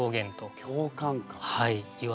はい。